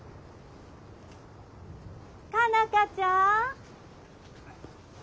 佳奈花ちゃん？